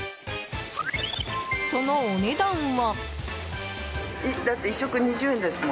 そのお値段は。